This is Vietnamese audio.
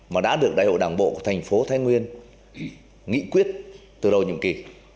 mà đã được đại hội đảng bộ thành phố thái nguyên nghị quyết từ đầu nhiệm kỳ